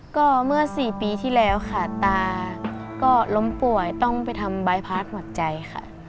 ก็เมื่อ๔ปีที่แล้วค่ะตาก็ล้มป่วยต้องไปทำบายพาร์ทหมดใจค่ะ